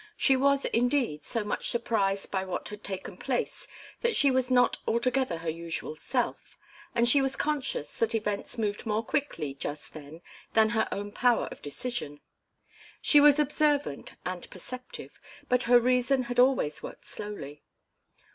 She was, indeed, so much surprised by what had taken place that she was not altogether her usual self, and she was conscious that events moved more quickly just then than her own power of decision. She was observant and perceptive, but her reason had always worked slowly.